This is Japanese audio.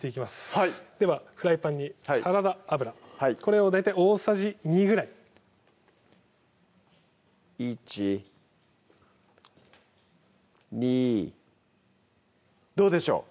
はいではフライパンにサラダ油これを大体大さじ２ぐらい１２どうでしょう？